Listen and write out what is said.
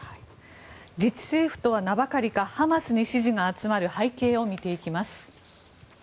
自治政府とは名ばかりかハマスに支持が集まる背景を見ていきます。